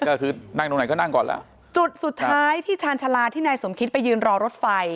ก็คือนั่งตรงไหนก็นั่งก่อนล่ะจุดสุดท้ายที่ชาญชาลาที่นายสมคิตไปยืนรอรถไฟ